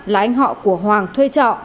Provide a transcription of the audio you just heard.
là anh họ của hoàng thuê trọ